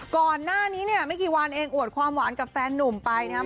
ก่อนหน้านี้เนี่ยไม่กี่วันเองอวดความหวานกับแฟนนุ่มไปนะครับ